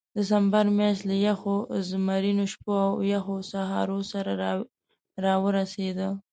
د سپټمبر میاشت له یخو زمرینو شپو او یخو سهارو سره راورسېده.